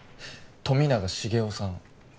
富永繁雄さん